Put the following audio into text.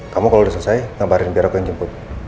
kamu kalau udah selesai ngabarin biar aku yang jemput